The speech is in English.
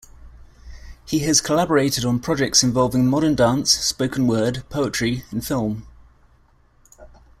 He has collaborated on projects involving modern dance, spoken word, poetry, and film.